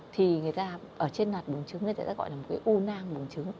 thì người ta ở trên nạp buông trứng người ta gọi là một cái u nang buông trứng